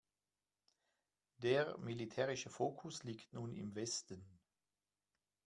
Der militärische Fokus liegt nun im Westen.